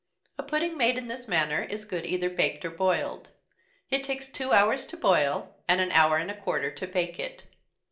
A pudding made in this manner is good either baked or boiled. It takes two hours to boil, and an hour and a quarter to bake it.